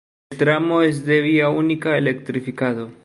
El tramo es de vía única electrificado.